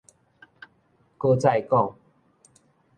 閣再講